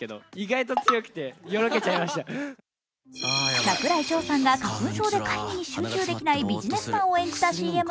櫻井翔さんが花粉症で会議に集中できないビジネスマンを演じたＣＭ。